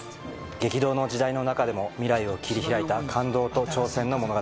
激動の時代の中でも未来を切り開いた感動と挑戦の物語